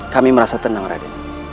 kami merasa tenang rade